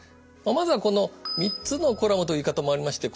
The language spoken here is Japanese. まずはこの「３つのコラム」という言い方もありまして